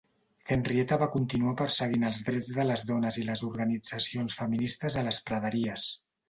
Henrietta va continuar perseguint els drets de les dones i les organitzacions feministes a les praderies.